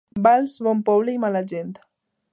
Valls, bon poble i mala gent.